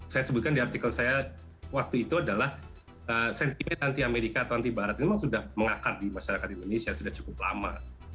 saya sebutkan di artikel saya waktu itu adalah sentimen anti amerika atau anti barat memang sudah mengakar di masyarakat indonesia sudah cukup lama